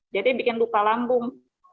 jadi bikin buka lambung